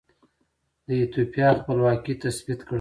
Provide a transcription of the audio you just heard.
د ایتوپیا خپلواکي تثبیت کړه.